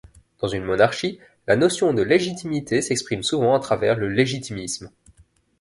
Dans une monarchie, la notion de légitimité s'exprime souvent à travers le légitimisme.